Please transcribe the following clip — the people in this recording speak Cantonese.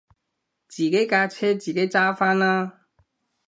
自己架車自己揸返啦